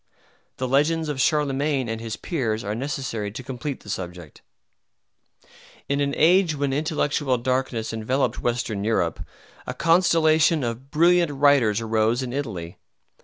The legends of Charlemagne and his peers are necessary to complete the subject. In an age when intellectual darkness enveloped Western Europe, a constellation of brilliant writers arose in Italy.